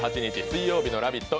水曜日の「ラヴィット！」